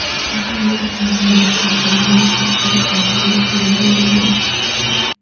Es la única comuna del cantón de Neuchâtel a orillas del lago de Bienne.